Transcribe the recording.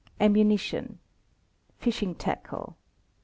Ammunition. Fishing tackle.